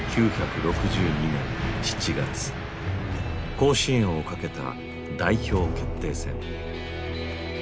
甲子園を懸けた代表決定戦。